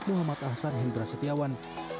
muhammad ahsan hendra sotiawan